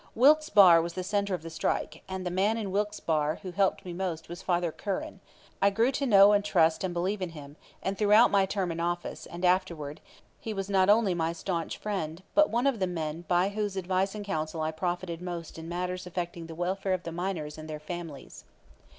Wilkes Barre was the center of the strike; and the man in Wilkes Barre who helped me most was Father Curran; I grew to know and trust and believe in him, and throughout my term in office, and afterward, he was not only my stanch friend, but one of the men by whose advice and counsel I profited most in matters affecting the welfare of the miners and their families.